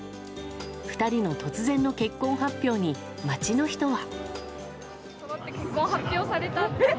２人の突然の結婚発表に街の人は。